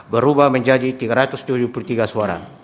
berubah menjadi tiga ratus tujuh puluh tiga suara